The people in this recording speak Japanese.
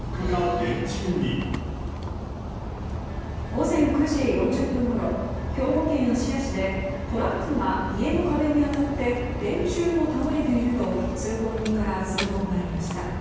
午前９時４０分ごろ兵庫県芦屋市でトラックが家の壁に当たって電柱も倒れていると通行人から通報がありました。